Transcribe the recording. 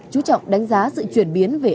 chú trọng đánh giá sự chuyển biến về